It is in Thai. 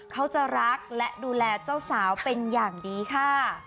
เขาจะรักและดูแลเจ้าสาวเป็นอย่างดีค่ะ